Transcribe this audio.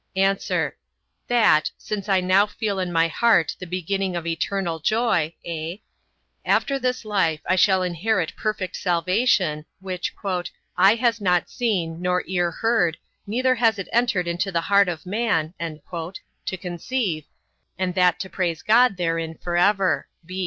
A. That since I now feel in my heart the beginning of eternal joy, (a) after this life, I shall inherit perfect salvation, which "eye has not seen, nor ear heard, neither has it entered into the heart of man" to conceive, and that to praise God therein for ever.